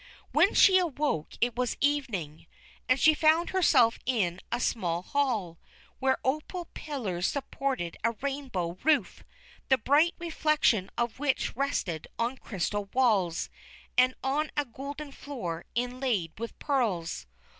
When she awoke it was evening, and she found herself in a small hall, where opal pillars supported a rainbow roof, the bright reflection of which rested on crystal walls and on a golden floor inlaid with pearls.